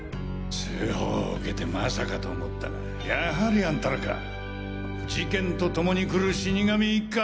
通報を受けてまさかと思ったがやはりあんたらか事件と共に来る死神一家！